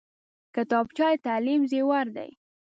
کتابچه د تعلیم زیور دی